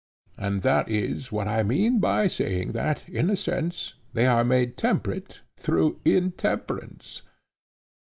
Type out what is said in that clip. And that is what I mean by saying that, in a sense, they are made temperate through intemperance.